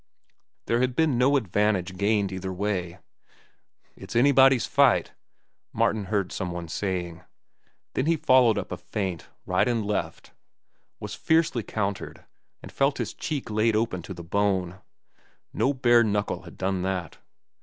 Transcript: There had been no advantage gained either way. "It's anybody's fight," Martin heard some one saying. Then he followed up a feint, right and left, was fiercely countered, and felt his cheek laid open to the bone. No bare knuckle had done that.